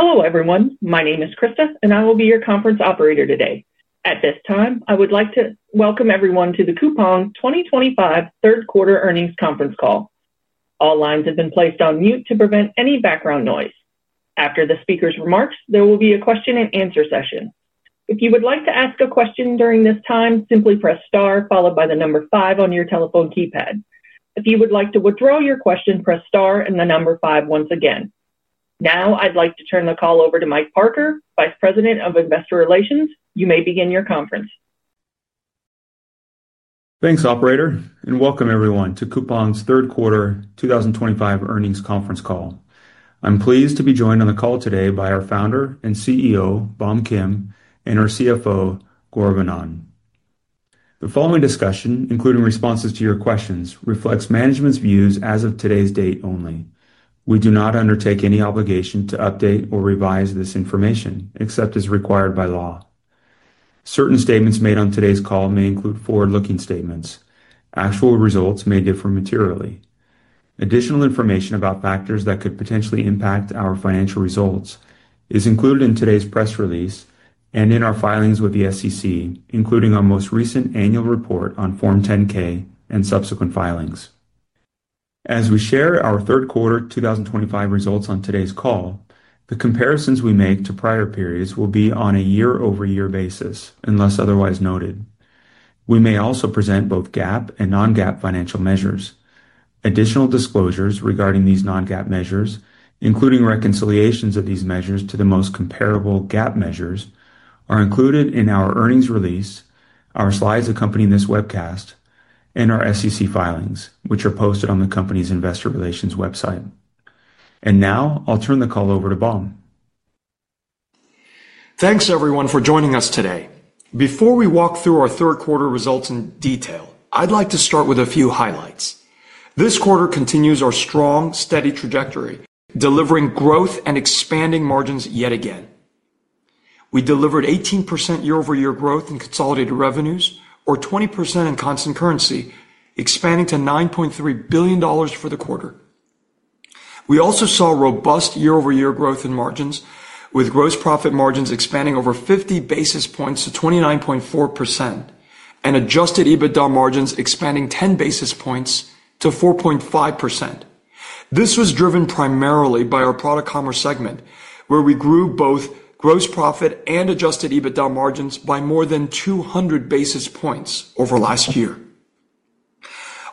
Hello, everyone. My name is Krista, and I will be your conference operator today. At this time, I would like to welcome everyone to the Coupang 2025 third quarter earnings conference call. All lines have been placed on mute to prevent any background noise. After the speaker's remarks, there will be a question-and-answer session. If you would like to ask a question during this time, simply press star followed by the number five on your telephone keypad. If you would like to withdraw your question, press star and the number five once again. Now, I'd like to turn the call over to Mike Parker, Vice President of Investor Relations. You may begin your conference. Thanks, Operator, and welcome everyone to Coupang's third quarter 2025 earnings conference call. I'm pleased to be joined on the call today by our founder and CEO, Bom Kim, and our CFO, Gaurav Anand. The following discussion, including responses to your questions, reflects management's views as of today's date only. We do not undertake any obligation to update or revise this information except as required by law. Certain statements made on today's call may include forward-looking statements. Actual results may differ materially. Additional information about factors that could potentially impact our financial results is included in today's press release and in our filings with the SEC, including our most recent annual report on Form 10-K and subsequent filings. As we share our third quarter 2025 results on today's call, the comparisons we make to prior periods will be on a year-over-year basis, unless otherwise noted. We may also present both GAAP and non-GAAP financial measures. Additional disclosures regarding these non-GAAP measures, including reconciliations of these measures to the most comparable GAAP measures, are included in our earnings release, our slides accompanying this webcast, and our SEC filings, which are posted on the company's Investor Relations website. And now, I'll turn the call over to Bom. Thanks, everyone, for joining us today. Before we walk through our third quarter results in detail, I'd like to start with a few highlights. This quarter continues our strong, steady trajectory, delivering growth and expanding margins yet again. We delivered 18% year-over-year growth in consolidated revenues, or 20% in constant currency, expanding to $9.3 billion for the quarter. We also saw robust year-over-year growth in margins, with gross profit margins expanding over 50 basis points to 29.4% and adjusted EBITDA margins expanding 10 basis points to 4.5%. This was driven primarily by our product commerce segment, where we grew both gross profit and adjusted EBITDA margins by more than 200 basis points over last year.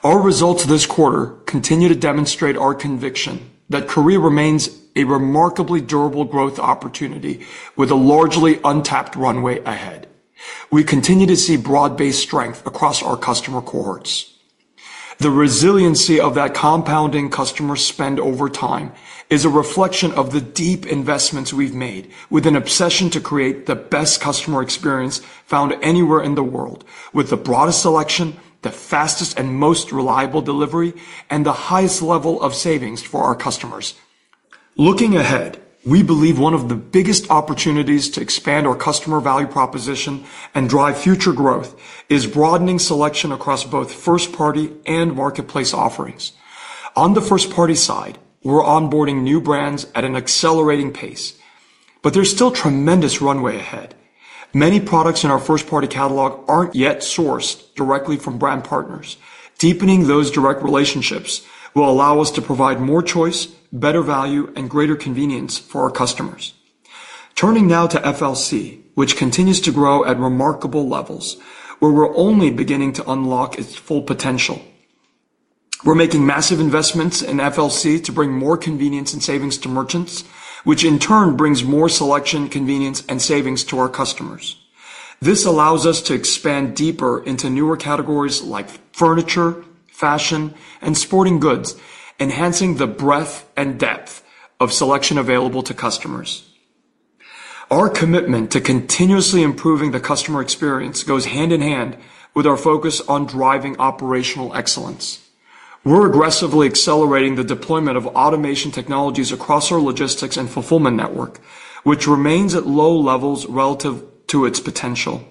Our results this quarter continue to demonstrate our conviction that Korea remains a remarkably durable growth opportunity with a largely untapped runway ahead. We continue to see broad-based strength across our customer cohorts. The resiliency of that compounding customer spend over time is a reflection of the deep investments we've made with an obsession to create the best customer experience found anywhere in the world, with the broadest selection, the fastest and most reliable delivery, and the highest level of savings for our customers. Looking ahead, we believe one of the biggest opportunities to expand our customer value proposition and drive future growth is broadening selection across both first-party and marketplace offerings. On the first-party side, we're onboarding new brands at an accelerating pace, but there's still tremendous runway ahead. Many products in our first-party catalog aren't yet sourced directly from brand partners. Deepening those direct relationships will allow us to provide more choice, better value, and greater convenience for our customers. Turning now to FLC, which continues to grow at remarkable levels, where we're only beginning to unlock its full potential. We're making massive investments in FLC to bring more convenience and savings to merchants, which in turn brings more selection, convenience, and savings to our customers. This allows us to expand deeper into newer categories like furniture, fashion, and sporting goods, enhancing the breadth and depth of selection available to customers. Our commitment to continuously improving the customer experience goes hand in hand with our focus on driving operational excellence. We're aggressively accelerating the deployment of automation technologies across our logistics and fulfillment network, which remains at low levels relative to its potential.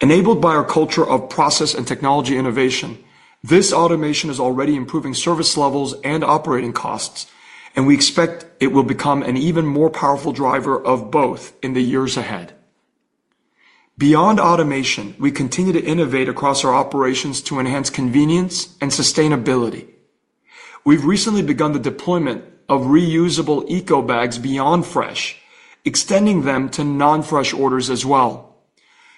Enabled by our culture of process and technology innovation, this automation is already improving service levels and operating costs, and we expect it will become an even more powerful driver of both in the years ahead. Beyond automation, we continue to innovate across our operations to enhance convenience and sustainability. We've recently begun the deployment of reusable eco bags beyond Fresh, extending them to non-Fresh orders as well.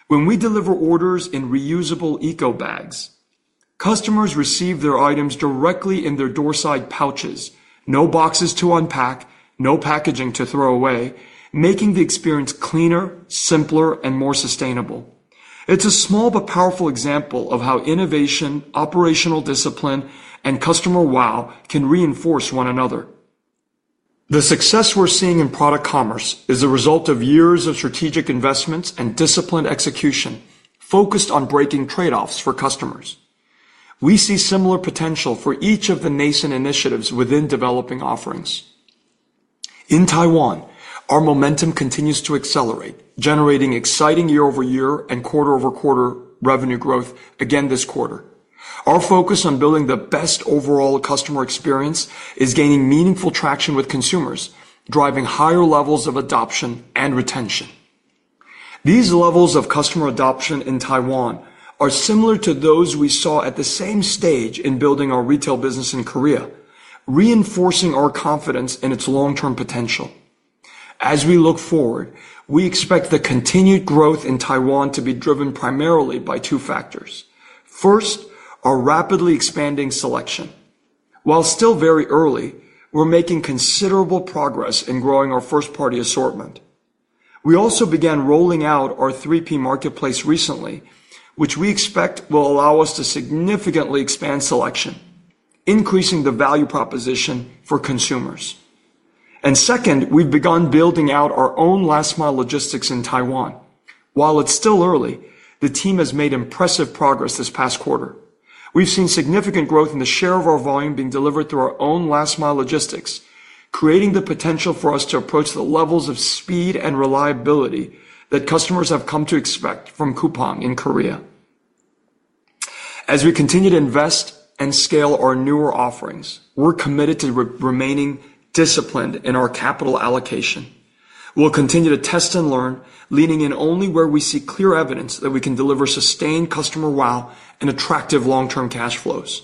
When we deliver orders in reusable eco bags, customers receive their items directly in their door-side pouches, no boxes to unpack, no packaging to throw away, making the experience cleaner, simpler, and more sustainable. It's a small but powerful example of how innovation, operational discipline, and customer wow can reinforce one another. The success we're seeing in product commerce is a result of years of strategic investments and disciplined execution focused on breaking trade-offs for customers. We see similar potential for each of the nascent initiatives within developing offerings. In Taiwan, our momentum continues to accelerate, generating exciting year-over-year and quarter-over-quarter revenue growth again this quarter. Our focus on building the best overall customer experience is gaining meaningful traction with consumers, driving higher levels of adoption and retention. These levels of customer adoption in Taiwan are similar to those we saw at the same stage in building our retail business in Korea, reinforcing our confidence in its long-term potential. As we look forward, we expect the continued growth in Taiwan to be driven primarily by two factors. First, our rapidly expanding selection. While still very early, we're making considerable progress in growing our first-party assortment. We also began rolling out our 3P marketplace recently, which we expect will allow us to significantly expand selection, increasing the value proposition for consumers. And second, we've begun building out our own last-mile logistics in Taiwan. While it's still early, the team has made impressive progress this past quarter. We've seen significant growth in the share of our volume being delivered through our own last-mile logistics, creating the potential for us to approach the levels of speed and reliability that customers have come to expect from Coupang in Korea. As we continue to invest and scale our newer offerings, we're committed to remaining disciplined in our capital allocation. We'll continue to test and learn, leaning in only where we see clear evidence that we can deliver sustained customer wow and attractive long-term cash flows.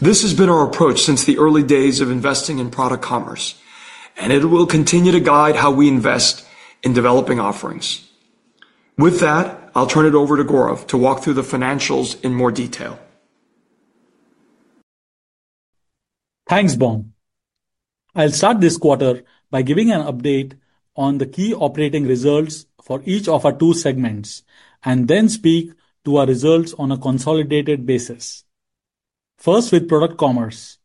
This has been our approach since the early days of investing in product commerce, and it will continue to guide how we invest in developing offerings. With that, I'll turn it over to Gaurav to walk through the financials in more detail. Thanks, Bom. I'll start this quarter by giving an update on the key operating results for each of our two segments and then speak to our results on a consolidated basis. First, with product commerce.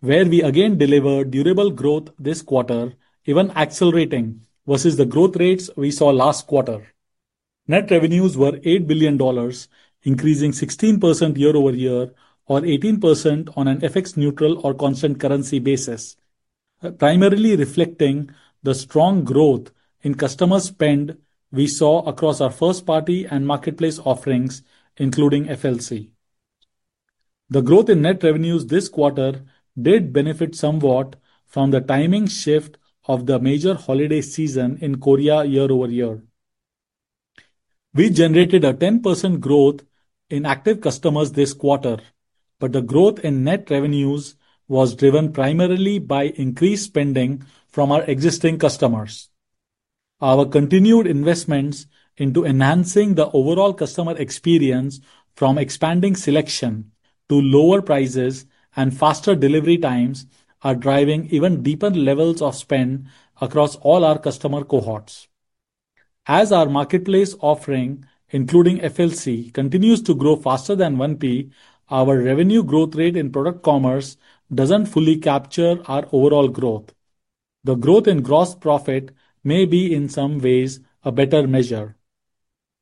Where we again delivered durable growth this quarter, even accelerating versus the growth rates we saw last quarter. Net revenues were $8 billion, increasing 16% year-over-year or 18% on an FX-neutral or constant currency basis. Primarily reflecting the strong growth in customer spend we saw across our first-party and marketplace offerings, including FLC. The growth in net revenues this quarter did benefit somewhat from the timing shift of the major holiday season in Korea year-over-year. We generated a 10% growth in active customers this quarter, but the growth in net revenues was driven primarily by increased spending from our existing customers. Our continued investments into enhancing the overall customer experience, from expanding selection to lower prices and faster delivery times, are driving even deeper levels of spend across all our customer cohorts. As our marketplace offering, including FLC, continues to grow faster than 1P, our revenue growth rate in product commerce doesn't fully capture our overall growth. The growth in gross profit may be, in some ways, a better measure.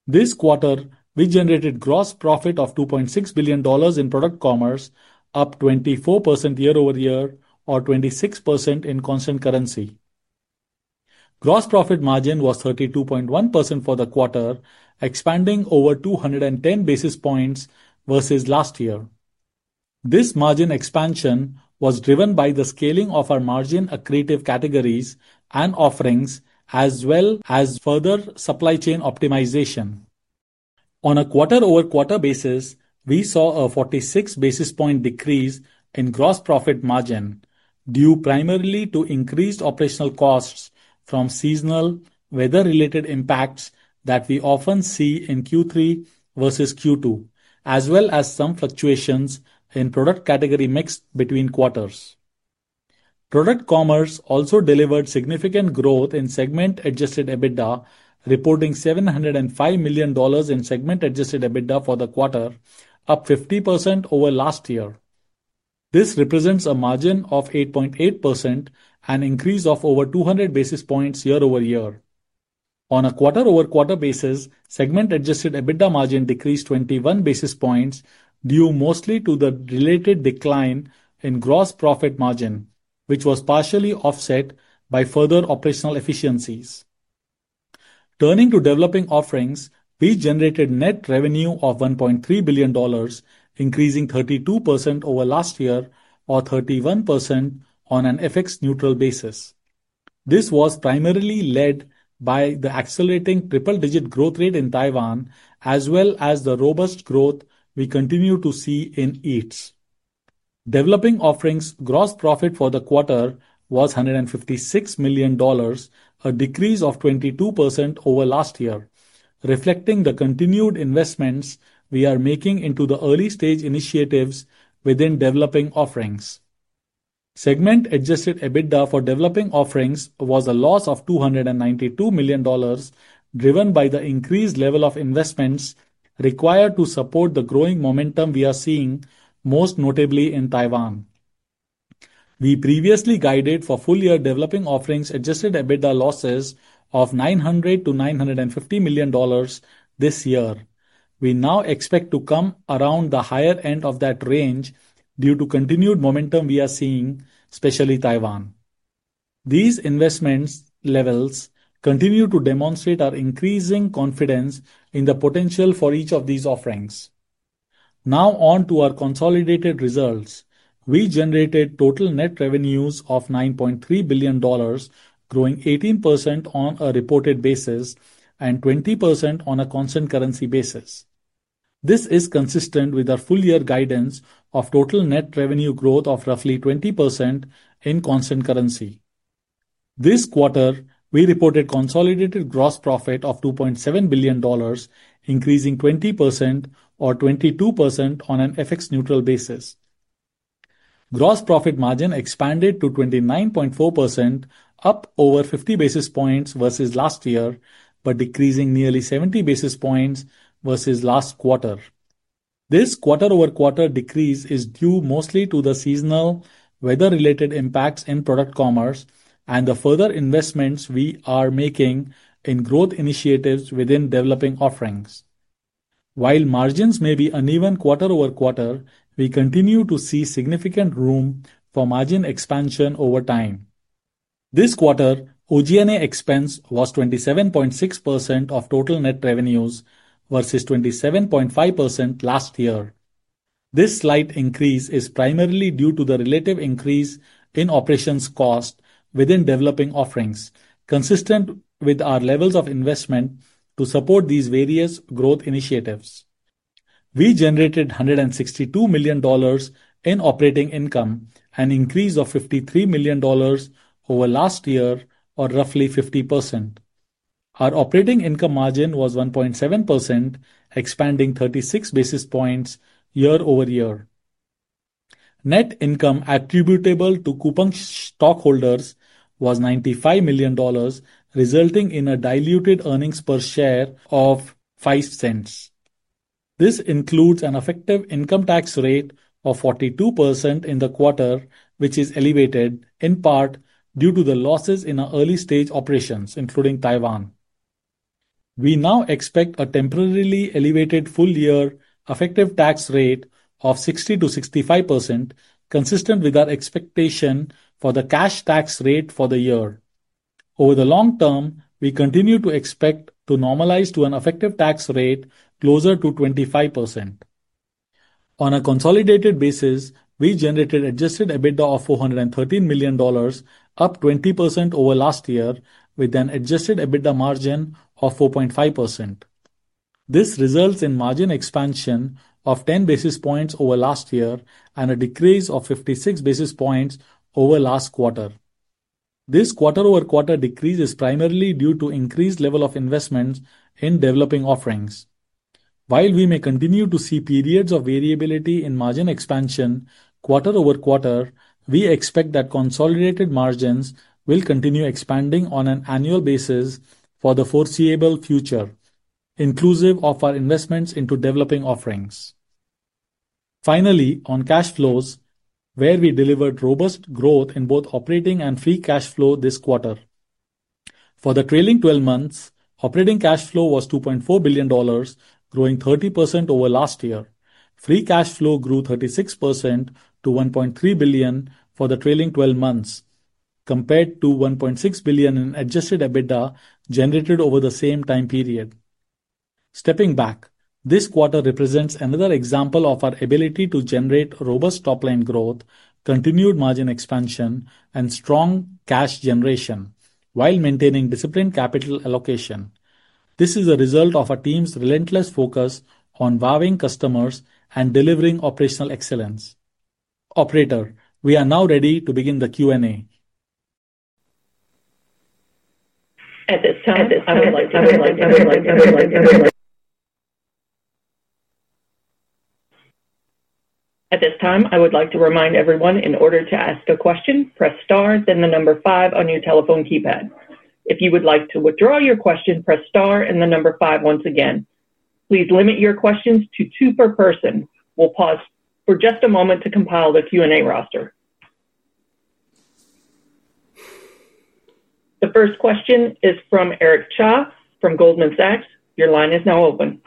This quarter, we generated gross profit of $2.6 billion in product commerce, up 24% year-over-year or 26% in constant currency. Gross profit margin was 32.1% for the quarter, expanding over 210 basis points versus last year. This margin expansion was driven by the scaling of our margin accretive categories and offerings, as well as further supply chain optimization. On a quarter-over-quarter basis, we saw a 46 basis point decrease in gross profit margin due primarily to increased operational costs from seasonal weather-related impacts that we often see in Q3 versus Q2, as well as some fluctuations in product category mix between quarters. Product commerce also delivered significant growth in segment-adjusted EBITDA, reporting $705 million in segment-adjusted EBITDA for the quarter, up 50% over last year. This represents a margin of 8.8%, an increase of over 200 basis points year-over-year. On a quarter-over-quarter basis, segment-adjusted EBITDA margin decreased 21 basis points due mostly to the related decline in gross profit margin, which was partially offset by further operational efficiencies. Turning to developing offerings, we generated net revenue of $1.3 billion, increasing 32% over last year or 31% on an FX-neutral basis. This was primarily led by the accelerating triple-digit growth rate in Taiwan, as well as the robust growth we continue to see in Eats. Developing offerings' gross profit for the quarter was $156 million, a decrease of 22% over last year, reflecting the continued investments we are making into the early-stage initiatives within developing offerings. Segment-adjusted EBITDA for developing offerings was a loss of $292 million, driven by the increased level of investments required to support the growing momentum we are seeing most notably in Taiwan. We previously guided for full-year developing offerings' adjusted EBITDA losses of $900-$950 million. This year, we now expect to come around the higher end of that range due to continued momentum we are seeing, especially Taiwan. These investment levels continue to demonstrate our increasing confidence in the potential for each of these offerings. Now on to our consolidated results, we generated total net revenues of $9.3 billion, growing 18% on a reported basis and 20% on a constant currency basis. This is consistent with our full-year guidance of total net revenue growth of roughly 20% in constant currency. This quarter, we reported consolidated gross profit of $2.7 billion, increasing 20% or 22% on an FX-neutral basis. Gross profit margin expanded to 29.4%, up over 50 basis points versus last year, but decreasing nearly 70 basis points versus last quarter. This quarter-over-quarter decrease is due mostly to the seasonal weather-related impacts in product commerce and the further investments we are making in growth initiatives within developing offerings. While margins may be uneven quarter-over-quarter, we continue to see significant room for margin expansion over time. This quarter, G&A expense was 27.6% of total net revenues versus 27.5% last year. This slight increase is primarily due to the relative increase in operations cost within developing offerings, consistent with our levels of investment to support these various growth initiatives. We generated $162 million in operating income, an increase of $53 million over last year, or roughly 50%. Our operating income margin was 1.7%, expanding 36 basis points year-over-year. Net income attributable to Coupang stockholders was $95 million, resulting in a diluted earnings per share of $0.05. This includes an effective income tax rate of 42% in the quarter, which is elevated in part due to the losses in early-stage operations, including Taiwan. We now expect a temporarily elevated full-year effective tax rate of 60%-65%, consistent with our expectation for the cash tax rate for the year. Over the long term, we continue to expect to normalize to an effective tax rate closer to 25%. On a consolidated basis, we generated adjusted EBITDA of $413 million, up 20% over last year, with an adjusted EBITDA margin of 4.5%. This results in margin expansion of 10 basis points over last year and a decrease of 56 basis points over last quarter. This quarter-over-quarter decrease is primarily due to increased level of investments in developing offerings. While we may continue to see periods of variability in margin expansion quarter-over-quarter, we expect that consolidated margins will continue expanding on an annual basis for the foreseeable future, inclusive of our investments into developing offerings. Finally, on cash flows, where we delivered robust growth in both operating and free cash flow this quarter. For the trailing 12 months, operating cash flow was $2.4 billion, growing 30% over last year. Free cash flow grew 36% to $1.3 billion for the trailing 12 months, compared to $1.6 billion in adjusted EBITDA generated over the same time period. Stepping back, this quarter represents another example of our ability to generate robust top-line growth, continued margin expansion, and strong cash generation, while maintaining disciplined capital allocation. This is a result of our team's relentless focus on wowing customers and delivering operational excellence. Operator, we are now ready to begin the Q&A. At this time, I would like to remind everyone, in order to ask a question, press star, then the number five on your telephone keypad. If you would like to withdraw your question, press star and the number five once again. Please limit your questions to two per person. We'll pause for just a moment to compile the Q&A roster. The first question is from Eric Cha from Goldman Sachs. Your line is now open.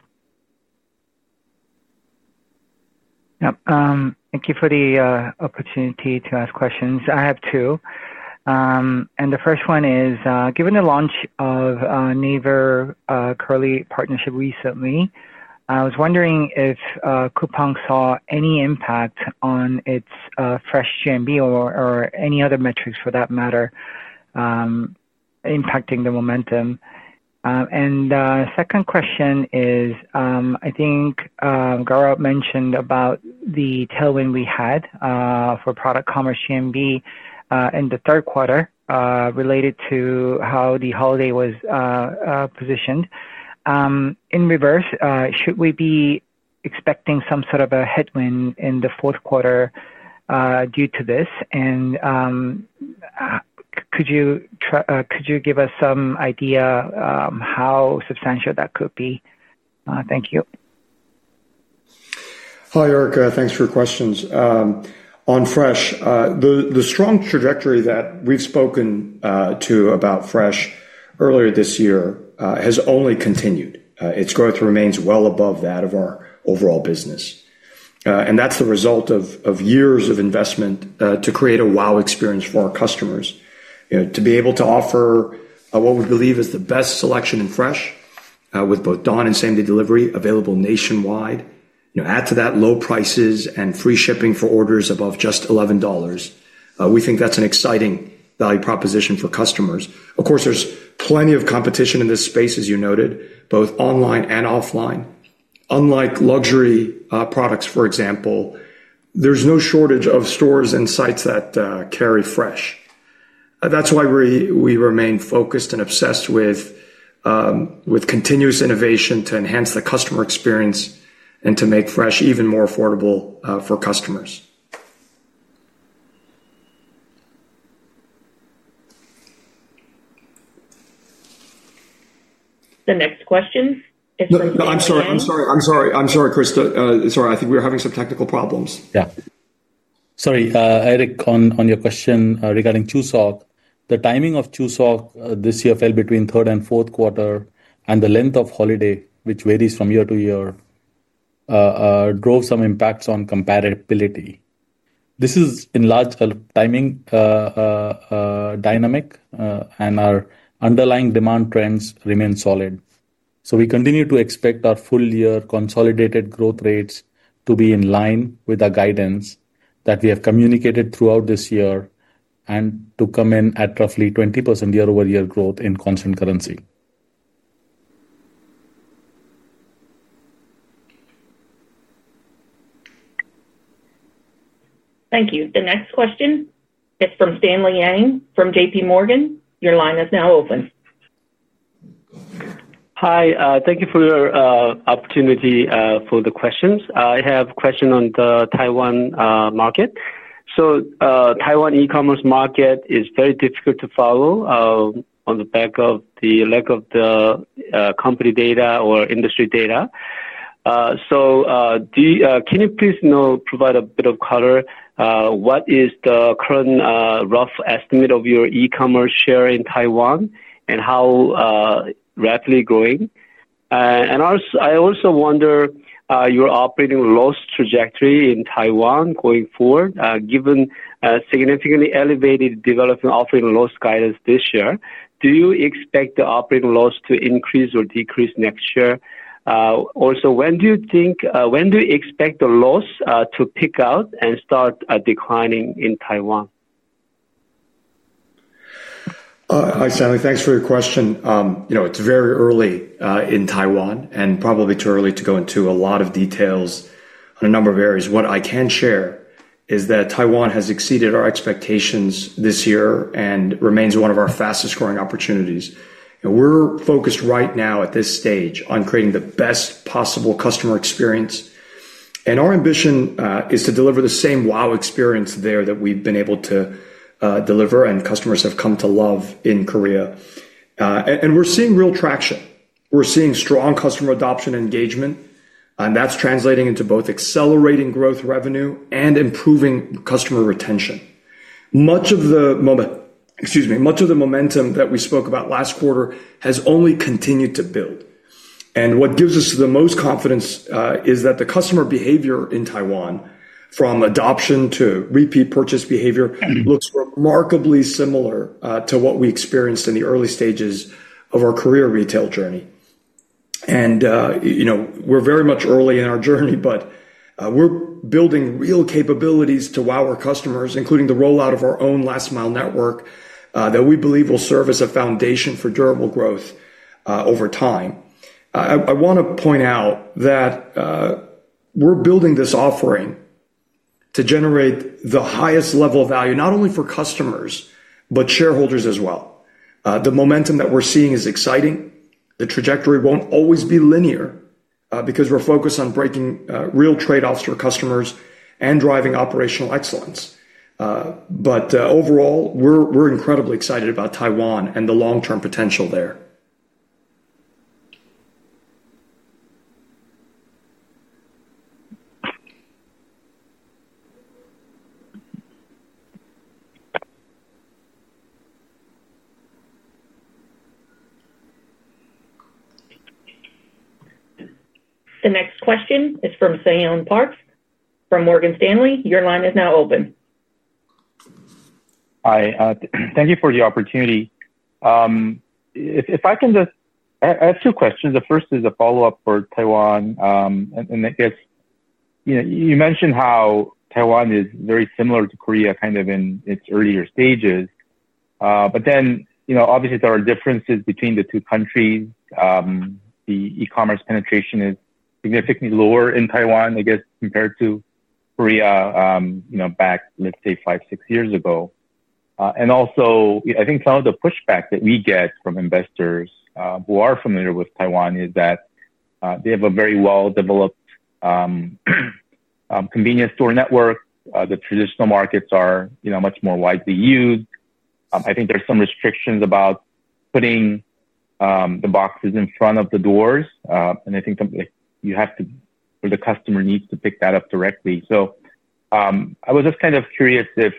Yep. Thank you for the opportunity to ask questions. I have two. And the first one is, given the launch of Naver-Curly partnership recently, I was wondering if Coupang saw any impact on its Fresh GMV or any other metrics, for that matter. Impacting the momentum. And the second question is, I think. Gaurav mentioned about the tailwind we had for product commerce GMV in the third quarter, related to how the holiday was. Positioned. In reverse, should we be expecting some sort of a headwind in the fourth quarter due to this? And. Could you give us some idea how substantial that could be? Thank you. Hi, Eric. Thanks for your questions. On Fresh, the strong trajectory that we've spoken to about Fresh earlier this year has only continued. Its growth remains well above that of our overall business. And that's the result of years of investment to create a wow experience for our customers, to be able to offer what we believe is the best selection in Fresh, with both one- and same-day delivery available nationwide. Add to that low prices and free shipping for orders above just $11. We think that's an exciting value proposition for customers. Of course, there's plenty of competition in this space, as you noted, both online and offline. Unlike luxury products, for example, there's no shortage of stores and sites that carry Fresh. That's why we remain focused and obsessed with continuous innovation to enhance the customer experience and to make Fresh even more affordable for customers. The next question is from... I'm sorry. I'm sorry. I'm sorry, Krista. Sorry. I think we're having some technical problems. Yeah. Sorry, Eric, on your question regarding Chuseok, the timing of Chuseok this year fell between third and fourth quarter, and the length of holiday, which varies from year to year, drove some impacts on comparability. This is largely timing dynamic, and our underlying demand trends remain solid. So we continue to expect our full-year consolidated growth rates to be in line with the guidance that we have communicated throughout this year and to come in at roughly 20% year-over-year growth in constant currency. Thank you. The next question is from Stanley Yang from JPMorgan. Your line is now open. Hi. Thank you for your opportunity for the questions. I have a question on the Taiwan market. So Taiwan e-commerce market is very difficult to follow. On the back of the lack of company data or industry data. So, can you please provide a bit of color? What is the current rough estimate of your e-commerce share in Taiwan and how rapidly growing? And I also wonder your operating loss trajectory in Taiwan going forward, given significantly elevated developing offering loss guidance this year. Do you expect the operating loss to increase or decrease next year? Also, when do you think, when do you expect the loss to peak out and start declining in Taiwan? Hi, Stanley. Thanks for your question. It's very early in Taiwan and probably too early to go into a lot of details on a number of areas. What I can share is that Taiwan has exceeded our expectations this year and remains one of our fastest-growing opportunities. We're focused right now at this stage on creating the best possible customer experience. And our ambition is to deliver the same wow experience there that we've been able to deliver, and customers have come to love in Korea. And we're seeing real traction. We're seeing strong customer adoption engagement, and that's translating into both accelerating growth revenue and improving customer retention. Much of the momentum that we spoke about last quarter has only continued to build. And what gives us the most confidence is that the customer behavior in Taiwan, from adoption to repeat purchase behavior, looks remarkably similar to what we experienced in the early stages of our Korea retail journey. And we're very much early in our journey, but we're building real capabilities to wow our customers, including the rollout of our own last-mile network that we believe will serve as a foundation for durable growth over time. I want to point out that we're building this offering to generate the highest level of value, not only for customers, but shareholders as well. The momentum that we're seeing is exciting. The trajectory won't always be linear because we're focused on breaking real trade-offs for customers and driving operational excellence. But overall, we're incredibly excited about Taiwan and the long-term potential there. The next question is from Seon Parks from Morgan Stanley. Your line is now open. Hi. Thank you for the opportunity. If I can just ask two questions. The first is a follow-up for Taiwan. And I guess you mentioned how Taiwan is very similar to Korea kind of in its earlier stages. But then, obviously, there are differences between the two countries. The e-commerce penetration is significantly lower in Taiwan, I guess, compared to Korea back, let's say, five, six years ago. And also, I think some of the pushback that we get from investors who are familiar with Taiwan is that they have a very well-developed convenience store network. The traditional markets are much more widely used. I think there's some restrictions about putting the boxes in front of the doors. And I think you have to, or the customer needs to pick that up directly. So I was just kind of curious if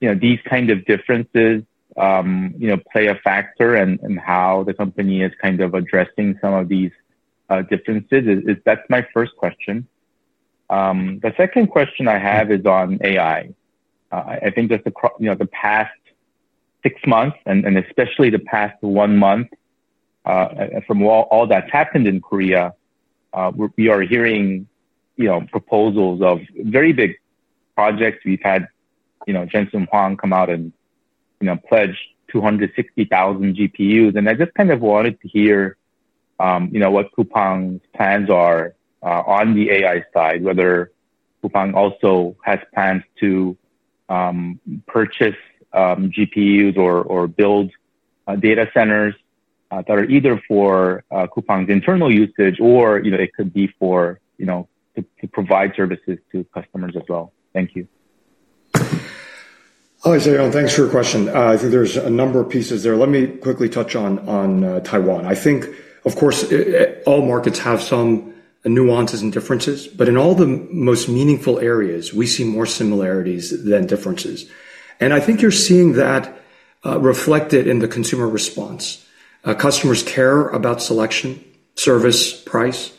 these kind of differences play a factor in how the company is kind of addressing some of these differences. That's my first question. The second question I have is on AI. I think that the past six months, and especially the past one month from all that's happened in Korea, we are hearing proposals of very big projects. We've had Jensen Huang come out and pledge 260,000 GPUs. And I just kind of wanted to hear what Coupang's plans are on the AI side, whether Coupang also has plans to purchase GPUs or build data centers that are either for Coupang's internal usage or it could be for to provide services to customers as well. Thank you. Hi, Seon. Thanks for your question. I think there's a number of pieces there. Let me quickly touch on Taiwan. I think, of course, all markets have some nuances and differences, but in all the most meaningful areas, we see more similarities than differences. I think you're seeing that reflected in the consumer response. Customers care about selection, service, price,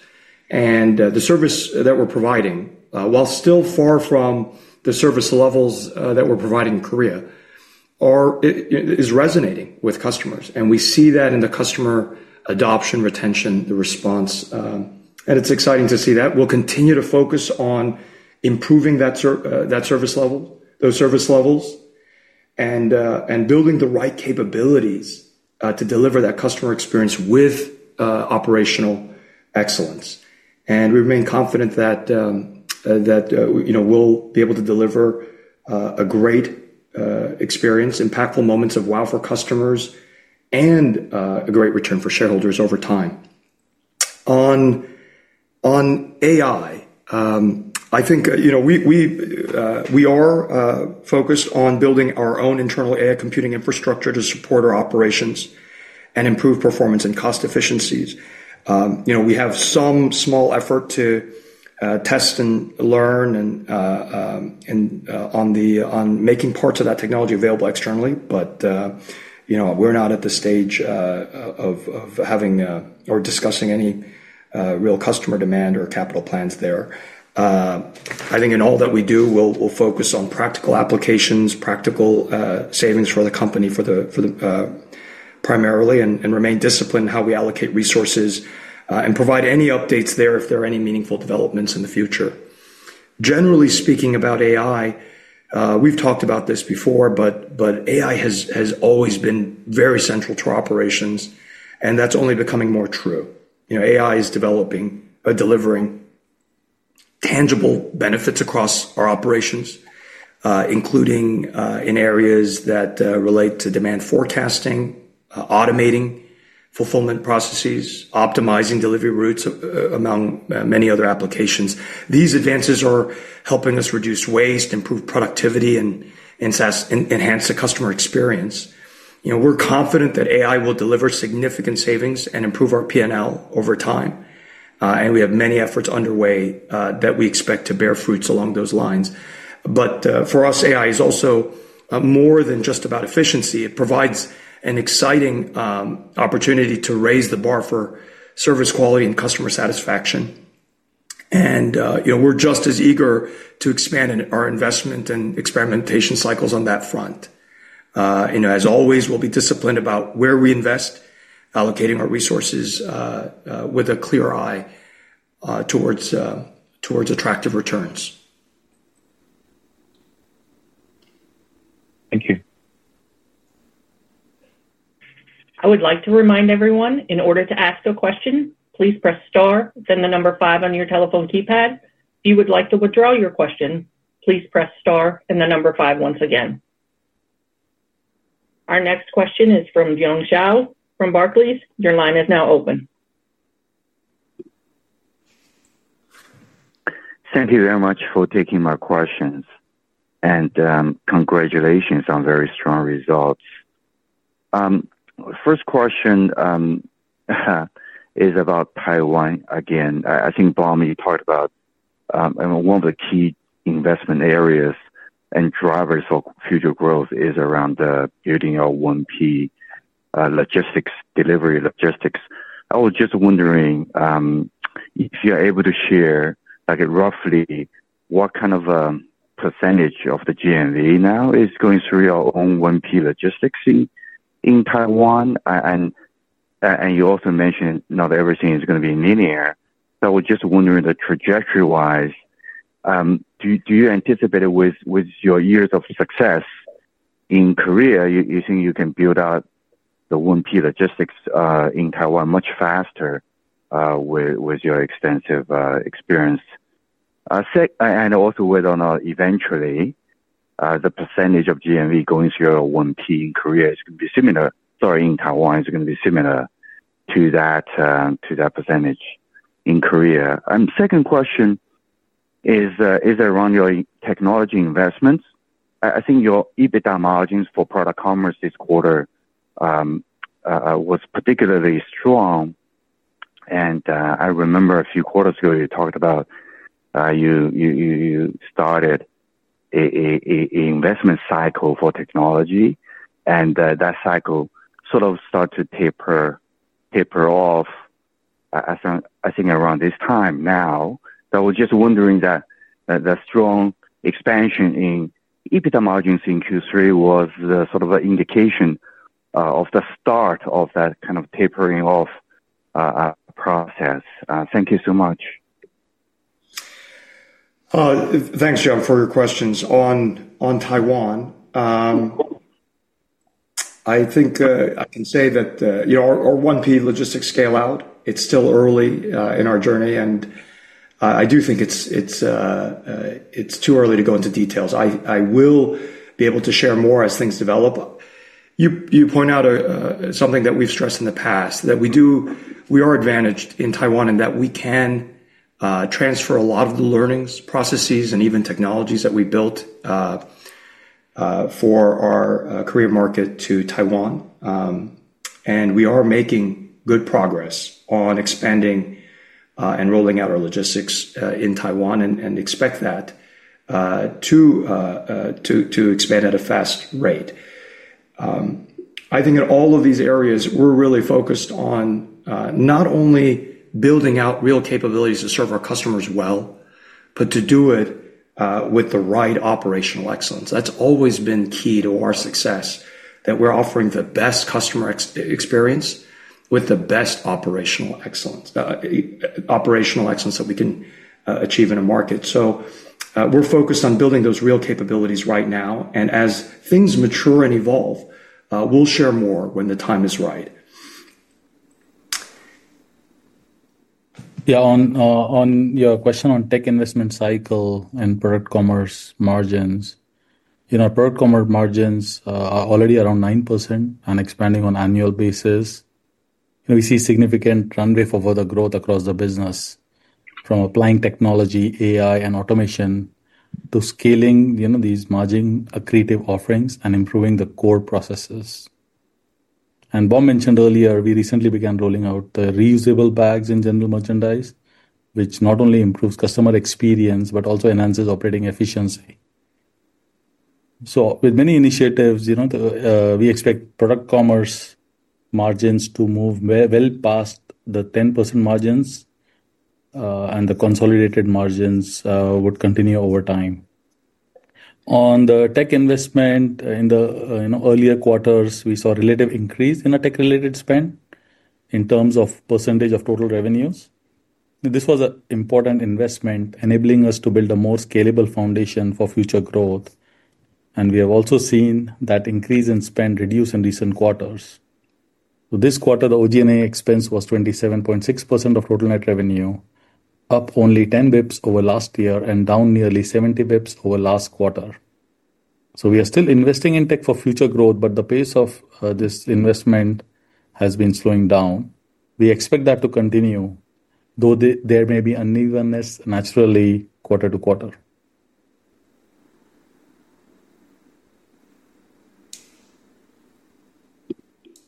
and the service that we're providing, while still far from the service levels that we're providing in Korea is resonating with customers. And we see that in the customer adoption, retention, the response. And it's exciting to see that. We'll continue to focus on improving that service level and building the right capabilities to deliver that customer experience with operational excellence. And we remain confident that we'll be able to deliver a great experience, impactful moments of wow for customers, and a great return for shareholders over time. On AI, I think we are focused on building our own internal AI computing infrastructure to support our operations and improve performance and cost efficiencies. We have some small effort to test and learn on making parts of that technology available externally, but we're not at the stage of having or discussing any real customer demand or capital plans there. I think in all that we do, we'll focus on practical applications, practical savings for the company primarily, and remain disciplined in how we allocate resources and provide any updates there if there are any meaningful developments in the future. Generally speaking about AI, we've talked about this before, but AI has always been very central to our operations, and that's only becoming more true. AI is developing and delivering tangible benefits across our operations, including in areas that relate to demand forecasting, automating fulfillment processes, optimizing delivery routes among many other applications. These advances are helping us reduce waste, improve productivity, and enhance the customer experience. We're confident that AI will deliver significant savings and improve our P&L over time. And we have many efforts underway that we expect to bear fruits along those lines. But for us, AI is also more than just about efficiency. It provides an exciting opportunity to raise the bar for service quality and customer satisfaction. And we're just as eager to expand our investment and experimentation cycles on that front. As always, we'll be disciplined about where we invest, allocating our resources with a clear eye towards attractive returns. Thank you. I would like to remind everyone, in order to ask a question, please press star, then the number five on your telephone keypad. If you would like to withdraw your question, please press star and the number five once again. Our next question is from Jiong Shao from Barclays. Your line is now open. Thank you very much for taking my questions, and congratulations on very strong results. First question is about Taiwan again. I think Bom, you talked about one of the key investment areas and drivers of future growth is around building our 1P logistics, delivery logistics. I was just wondering if you're able to share roughly what kind of percentage of the GMV now is going through your own 1P logistics in Taiwan. And you also mentioned not everything is going to be linear. So I was just wondering, trajectory-wise, do you anticipate with your years of success in Korea, you think you can build out the 1P logistics in Taiwan much faster with your extensive experience? And also whether or not eventually the percentage of GMV going through your 1P in Taiwan is going to be similar to that percentage in Korea. And second question is around your technology investments. I think your EBITDA margins for product commerce this quarter was particularly strong. And I remember a few quarters ago, you talked about you started an investment cycle for technology. And that cycle sort of started to taper off. I think around this time now. So I was just wondering that the strong expansion in EBITDA margins in Q3 was sort of an indication of the start of that kind of tapering off process. Thank you so much. Thanks, Seon, for your questions on Taiwan. I think I can say that our 1P logistics scale out. It's still early in our journey. And I do think it's too early to go into details. I will be able to share more as things develop. You point out something that we've stressed in the past, that we are advantaged in Taiwan and that we can transfer a lot of the learnings, processes, and even technologies that we built for our Korea market to Taiwan. And we are making good progress on expanding and rolling out our logistics in Taiwan and expect that to expand at a fast rate. I think in all of these areas, we're really focused on not only building out real capabilities to serve our customers well, but to do it with the right operational excellence. That's always been key to our success, that we're offering the best customer experience with the best operational excellence that we can achieve in a market. So we're focused on building those real capabilities right now. And as things mature and evolve, we'll share more when the time is right. Yeah. On your question on tech investment cycle and product commerce margins. Product commerce margins are already around 9% and expanding on an annual basis. We see significant runway for further growth across the business. From applying technology, AI, and automation to scaling these margin-accretive offerings and improving the core processes. And Bom mentioned earlier, we recently began rolling out the reusable bags in general merchandise, which not only improves customer experience, but also enhances operating efficiency. So with many initiatives. We expect product commerce margins to move well past the 10% margins. And the consolidated margins would continue over time. On the tech investment, in the earlier quarters, we saw a relative increase in a tech-related spend in terms of percentage of total revenues. This was an important investment, enabling us to build a more scalable foundation for future growth. And we have also seen that increase in spend reduce in recent quarters. This quarter, the G&A expense was 27.6% of total net revenue, up only 10 basis points over last year and down nearly 70 basis points over last quarter. So we are still investing in tech for future growth, but the pace of this investment has been slowing down. We expect that to continue, though there may be unevenness, naturally, quarter to quarter.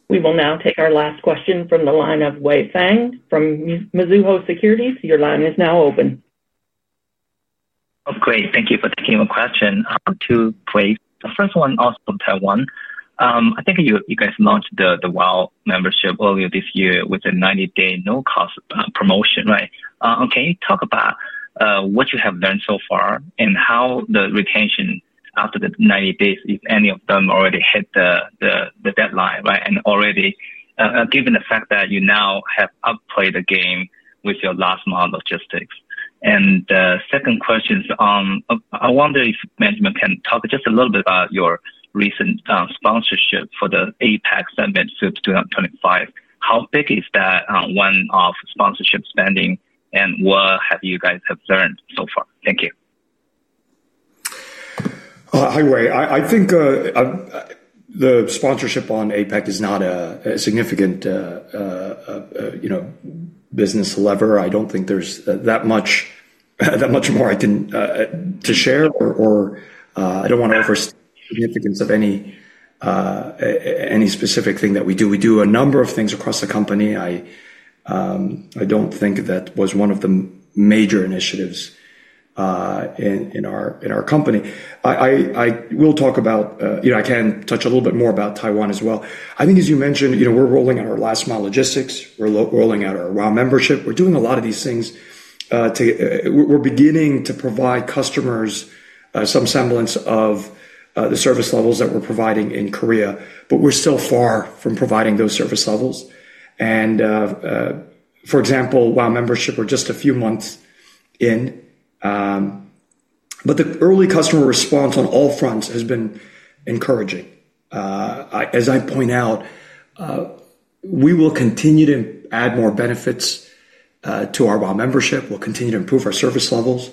We will now take our last question from the line of Wei Fang from Mizuho Securities. Your line is now open. Oh, great. Thank you for taking my question. Two quick. The first one also from Taiwan. I think you guys launched the WOW Membership earlier this year with a 90-day no-cost promotion, right? Can you talk about what you have learned so far and how the retention after the 90 days, if any of them already hit the deadline, right? And already, given the fact that you now have outplayed the game with your last month of logistics. And the second question is, I wonder if management can talk just a little bit about your recent sponsorship for the APEC Summit 2025. How big is that one-off sponsorship spending, and what have you guys learned so far? Thank you. Hi, Wei. I think the sponsorship on APEC is not a significant business lever. I don't think there's that much more I can share, or I don't want to overstate the significance of any specific thing that we do. We do a number of things across the company. I don't think that was one of the major initiatives in our company. I can touch a little bit more about Taiwan as well. I think, as you mentioned, we're rolling out our last-mile logistics. We're rolling out our WOW Membership. We're doing a lot of these things. We're beginning to provide customers some semblance of the service levels that we're providing in Korea, but we're still far from providing those service levels. For example, WOW Membership, we're just a few months in. But the early customer response on all fronts has been encouraging. As I point out, we will continue to add more benefits to our WOW Membership. We'll continue to improve our service levels.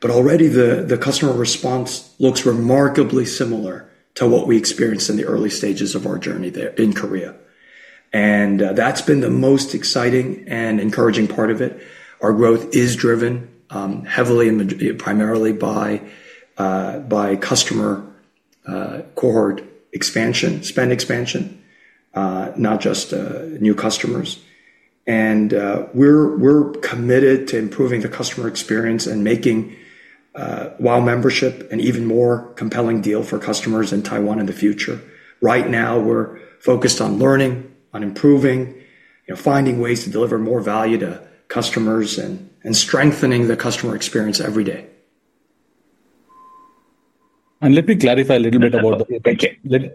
But already, the customer response looks remarkably similar to what we experienced in the early stages of our journey in Korea. And that's been the most exciting and encouraging part of it. Our growth is driven heavily and primarily by customer cohort expansion, spend expansion, not just new customers. We're committed to improving the customer experience and making WOW membership an even more compelling deal for customers in Taiwan in the future. Right now, we're focused on learning, on improving, finding ways to deliver more value to customers, and strengthening the customer experience every day. Let me clarify a little bit about the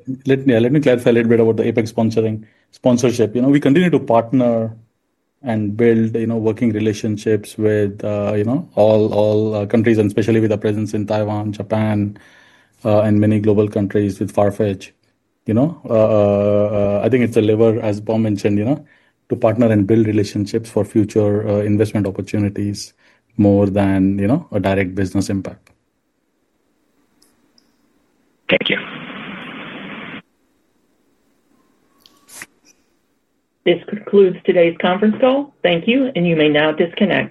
APEC sponsorship. We continue to partner and build working relationships with all countries, and especially with the presence in Taiwan, Japan, and many global countries with Farfetch. I think it's a lever, as Bom mentioned, to partner and build relationships for future investment opportunities more than a direct business impact. Thank you. This concludes today's conference call. Thank you, and you may now disconnect.